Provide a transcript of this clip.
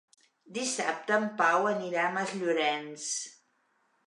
Dissabte en Pau anirà a Masllorenç.